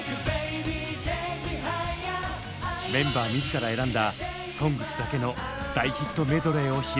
メンバー自ら選んだ「ＳＯＮＧＳ」だけの大ヒットメドレーを披露！